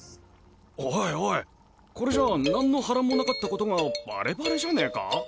おいおいこれじゃあ何の波乱もなかったことがバレバレじゃねぇか？